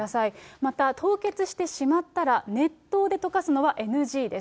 また凍結してしまったら熱湯でとかすのはＮＧです。